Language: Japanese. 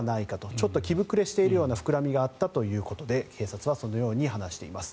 ちょっと着ぶくれしているような膨らみがあったということで警察はそのように話しています。